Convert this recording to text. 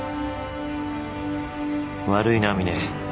悪いな峰。